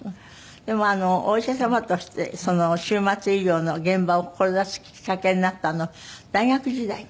でもお医者様としてその終末医療の現場を志すきっかけになったのは大学時代に？